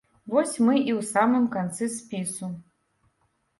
Вось мы і ў самым канцы спісу.